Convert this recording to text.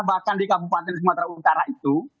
bahkan di kabupaten sumatera utara itu